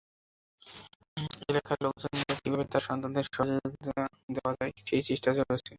এলাকার লোকজন মিলে কীভাবে তাঁর সন্তানদের সহযোগিতা দেওয়া যায়, সেই চেষ্টা চলছে।